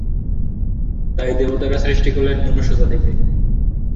তাই দেবতারা সৃষ্টি করলেন মনুষ্যজাতিকে।